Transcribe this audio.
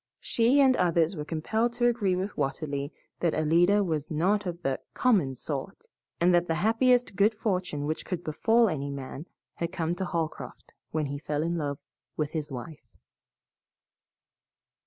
She and others were compelled to agree with Watterly that Alida was not of the "common sort," and that the happiest good fortune which could befall any man had come to Holcroft when he fell in love with his wife.